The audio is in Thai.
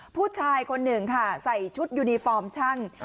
ผู้ชายคนหนึ่งค่ะใส่ชุดยูนิฟอร์มช่าง